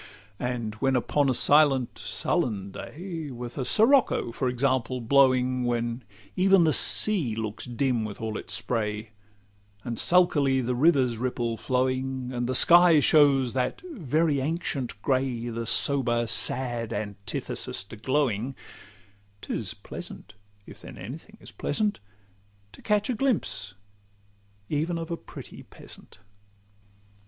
And when upon a silent, sullen day, With a sirocco, for example, blowing, When even the sea looks dim with all its spray, And sulkily the river's ripple 's flowing, And the sky shows that very ancient gray, The sober, sad antithesis to glowing,— 'Tis pleasant, if then any thing is pleasant, To catch a glimpse even of a pretty peasant.